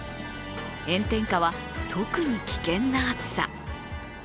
炎天下は、特に危険な暑さ。